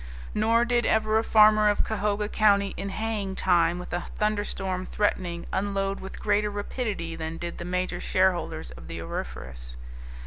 Nor did ever a farmer of Cahoga County in haying time with a thunderstorm threatening, unload with greater rapidity than did the major shareholders of the Auriferous.